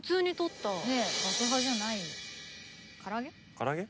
唐揚げ？